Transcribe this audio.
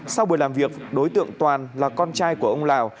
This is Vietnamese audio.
sau buổi làm việc đối tượng toàn là con trai của ông lào